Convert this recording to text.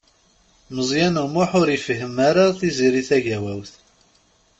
Meẓyan U Muḥ ur ifehhem ara Tiziri Tagawawt.